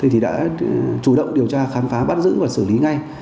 thì đã chủ động điều tra khám phá bắt giữ và xử lý ngay